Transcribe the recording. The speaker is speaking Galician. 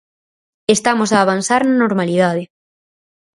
Estamos a avanzar na normalidade.